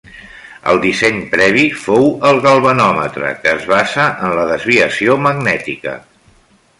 El disseny previ fou el galvanòmetre, que es basa en la desviació magnètica.